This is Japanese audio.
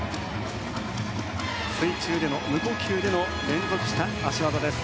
水中での無呼吸での連続した脚技です。